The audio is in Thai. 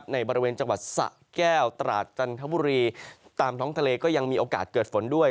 ในบริเวณจังหวัดสะแก้วตราดจันทบุรีตามท้องทะเลก็ยังมีโอกาสเกิดฝนด้วย